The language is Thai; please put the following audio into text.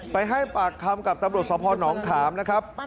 ไปให้ปากคำกับตำรวจสภหนองขามนะครับ